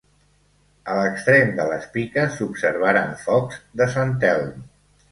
A l'extrem de les piques s'observaren focs de Sant Telm.